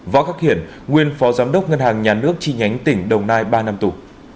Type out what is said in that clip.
võ khắc hiển nguyên phó giám đốc ngân hàng nhà nước chi nhánh tỉnh đồng nai ba năm tù